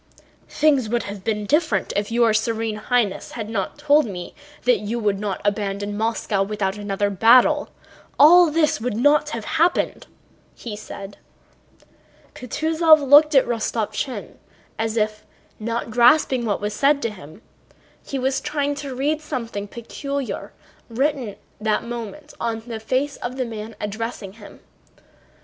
"Things would have been different if your Serene Highness had not told me that you would not abandon Moscow without another battle; all this would not have happened," he said. Kutúzov looked at Rostopchín as if, not grasping what was said to him, he was trying to read something peculiar written at that moment on the face of the man addressing him.